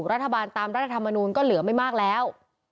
รัฐบาลตามรัฐธรรมนูลก็เหลือไม่มากแล้ว